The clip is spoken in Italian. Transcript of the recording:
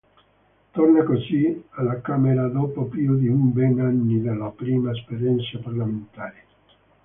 Torna così alla Camera dopo più di vent'anni dalla prima esperienza parlamentare.